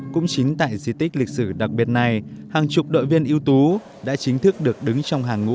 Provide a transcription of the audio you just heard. cũng chính tại di tích lịch sử đặc biệt này hàng chục đội viên yếu tố đã chính thức được đứng trong hàng ngũ